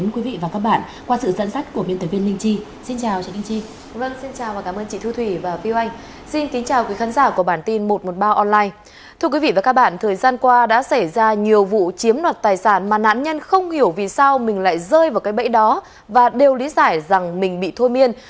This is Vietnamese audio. thưa quý vị và các bạn thời gian qua đã xảy ra nhiều vụ chiếm đoạt tài sản mà nạn nhân không hiểu vì sao mình lại rơi vào cái bẫy đó và đều lý giải rằng mình bị thôi miên